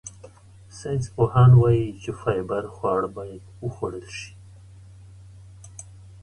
ساینسپوهان وايي چې فایبر خواړه باید وخوړل شي.